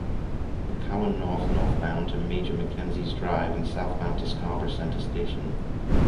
McCowan North northbound to Major Mackenzie Drive and southbound to Scarborough Centre Station.